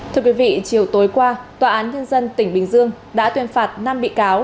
thưa quý vị chiều tối qua tòa án nhân dân tỉnh bình dương đã tuyên phạt năm bị cáo